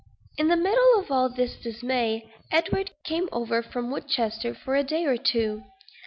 In the middle of all this dismay, Edward came over from Woodchester for a day or two.